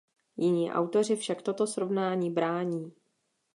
Jiní autoři však toto srovnání brání.